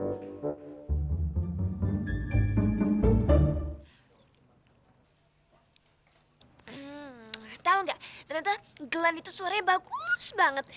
hmm tau gak ternyata glenn itu suaranya bagus banget